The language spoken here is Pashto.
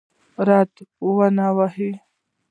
ری ونه واهه.